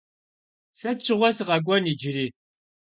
Sıt şığue sıkhek'uen yicıri?